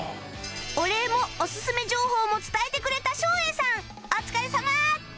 お礼もオススメ情報も伝えてくれた照英さんお疲れさま！